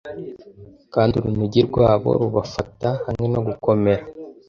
kandi urunigi rwabo rubafata hamwe no gukomera